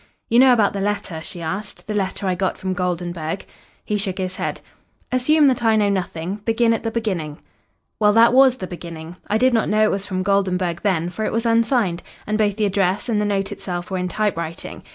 "You know about the letter?" she asked. "The letter I got from Goldenburg." He shook his head. "Assume that I know nothing. Begin at the beginning." "Well, that was the beginning. I did not know it was from Goldenburg then, for it was unsigned, and both the address and the note itself were in typewriting.